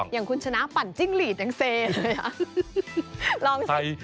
อย่างคุณชนะปั่นจิ้งหลีดอย่างเซเลยนะครับ